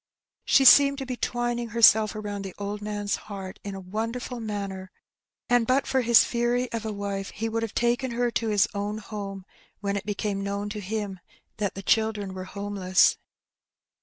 She seemed to be twining herself around the old man's heart in a wonderful manner, and but for his fury of a wife he would have taken her to his own home when it became known to him that the children were home less.